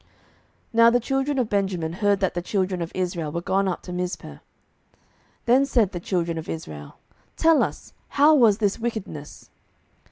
07:020:003 (Now the children of Benjamin heard that the children of Israel were gone up to Mizpeh.) Then said the children of Israel, Tell us, how was this wickedness?